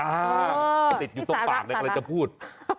อ่าติดอยู่สองปากอะไรจะพูด